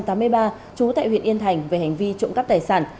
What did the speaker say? trú tại huyện yên thành về hành vi trộm cắp tài sản